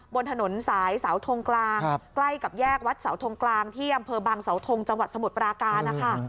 บนถนนสายเสาทงกลางใกล้กับแยกวัดเสาทงกลางที่อำเภอบางเสาทงจังหวัดสมุทรปราการนะคะ